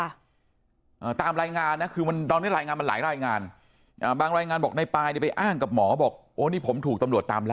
อ่าตามรายงานนะคือมันตอนนี้รายงานมันหลายรายงานอ่าบางรายงานบอกในปลายเนี่ยไปอ้างกับหมอบอกโอ้นี่ผมถูกตำรวจตามแล้ว